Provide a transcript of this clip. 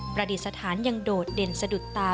ประดิษฐานยังโดดเด่นสะดุดตา